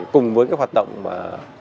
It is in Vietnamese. cùng với các hoạt động mà